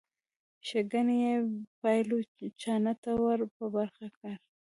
ښېګڼې یې پایلوچانو ته ور په برخه کړي.